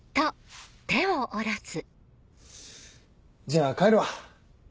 じゃあ帰るわ。